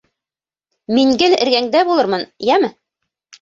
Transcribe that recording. Мин гел эргәңдә булырмын, йәме?